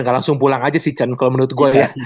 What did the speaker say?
gak langsung pulang aja sih chan kalau menurut gue ya